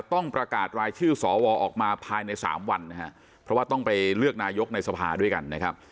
ต้องประกาศรายชื่อสวออกมาภายในสามวันนะฮะเพราะว่าต้องไปเลือกนายกในสภาด้วยกันนะครับ